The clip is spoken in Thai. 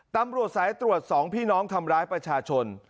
ตำรวจสายตรวจสองพี่น้องทำร้ายประชาชน